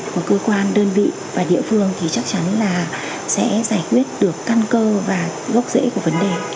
của cơ quan đơn vị và địa phương thì chắc chắn là sẽ giải quyết được căn cơ và gốc rễ của vấn đề